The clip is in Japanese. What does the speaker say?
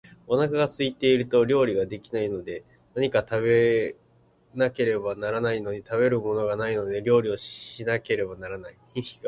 お腹が空いていると料理が出来ないので、何か食べなければならないのに、食べるものがないので料理をしなければならない